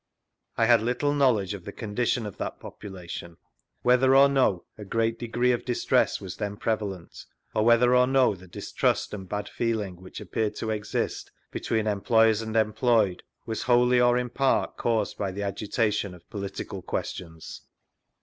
I had little knowledge of the condition of that population, 4S vGoogIc SIR WILLIAM JOLLIFFE'S NARRATIVE 49 whether or no a great degree of distress was then prevalent, or whether or no the distrust and bad feeling which appeared to exist between employers and employed, was wholly or in part caused by the agitation of political questions.